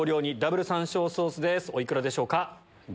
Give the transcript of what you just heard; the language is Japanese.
お幾らでしょうか？